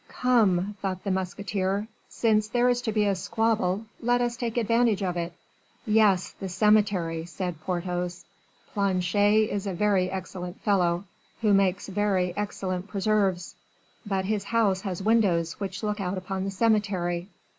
"Come," thought the musketeer, "since there is to be a squabble, let us take advantage of it." "Yes, the cemetery," said Porthos. "Planchet is a very excellent fellow, who makes very excellent preserves; but his house has windows which look out upon the cemetery.